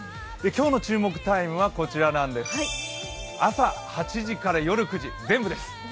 今日の注目タイムは朝８時から夜９時、全部です。